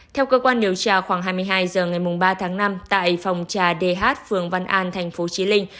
theo cơ quan điều tra khoảng hai mươi hai h ngày ba tháng năm tại phòng trà dh phường văn an tp chí linh